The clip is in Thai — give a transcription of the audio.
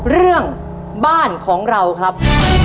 เรื่องบ้านของเราครับ